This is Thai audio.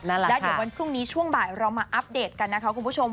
แล้วเดี๋ยววันพรุ่งนี้ช่วงบ่ายเรามาอัปเดตกันนะคะคุณผู้ชม